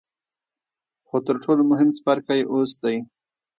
خو تر ټولو مهم څپرکی اوس دی.